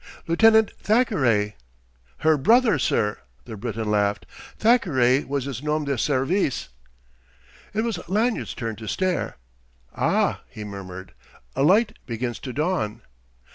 "Lieutenant Thackeray " "Her brother, sir!" the Briton laughed. "Thackeray was his nom de service." It was Lanyard's turn to stare. "Ah!" he murmured. "A light begins to dawn...."